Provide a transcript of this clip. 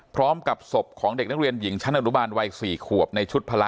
พร้อมกับศพของเด็กนักเรียนหญิงชั้นอนุบาลวัย๔ขวบในชุดพละ